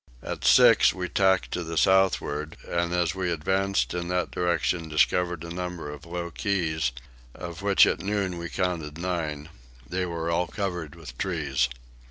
At six we tacked to the southward, and as we advanced in that direction discovered a number of low keys, of which at noon we counted nine: they were all covered with trees.